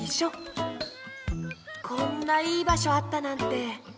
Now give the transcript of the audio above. こんないいばしょあったなんて。